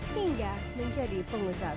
hingga menjadi pengusaha sukses